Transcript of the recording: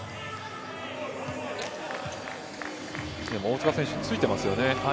大塚選手、ついてますよね。